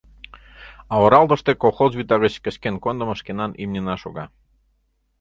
А оралтыште колхоз вӱта гыч кычкен кондымо шкенан имньына шога.